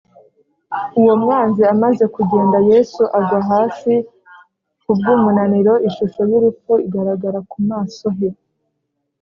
Uwo mwanzi amaze kugenda, Yesu agwa hasi kubw’umunaniro, ishusho y’urupfu igaragara ku maso he